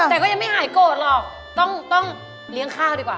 แต่ก็ยังไม่หายโกรธหรอกต้องเลี้ยงข้าวดีกว่า